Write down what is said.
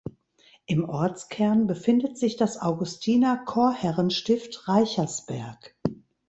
Im Ortskern befindet sich das Augustiner-Chorherren-Stift Reichersberg.